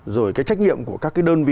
rồi cái trách nhiệm của các cái đơn vị